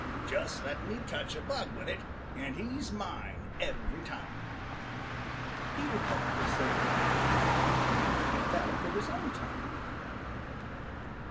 "Just let me touch a bug with it, and he's mine every time." Peter thought this over. Then he felt of his own tongue.